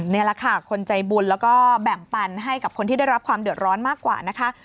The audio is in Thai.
นี่แหละค่ะคนใจบุญแล้วก็แบ่งปันให้กับคนที่ได้รับความเดือดร้อนมากกว่านะคะ